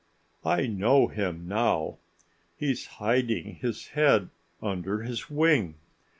I know him now. He's hiding his head under his wing.